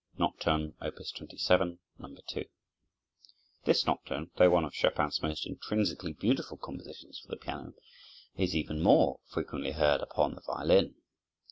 Chopin: Nocturne, Op. 27, No. 2 This nocturne, though one of Chopin's most intrinsically beautiful compositions for the piano, is even more frequently heard upon the violin.